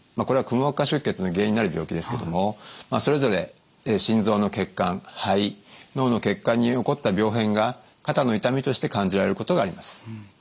これはくも膜下出血の原因になる病気ですけどもそれぞれ心臓の血管肺脳の血管に起こった病変が肩の痛みとして感じられることがあります。